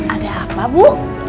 ada apa bu